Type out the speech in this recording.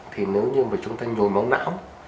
thì nếu như mà chúng ta nhồi máu não